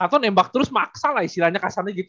kato nembak terus maksalah istilahnya kasarnya gitu